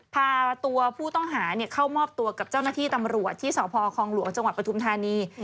พาตัวผู้ต้องหาเข้ามอบตัวกับเจ้าหน้าที่ตำรวจที่สพคลองหลวงจังหวัดปฐุมธานี